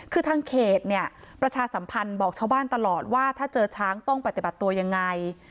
คือทางเขตเนี่ยประชาสัมพันธ์บอกชาวบ้านตลอดว่าถ้าเจอช้างต้องปฏิบัติตัวยังไง